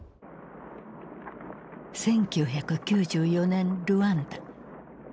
１９９４年ルワンダ。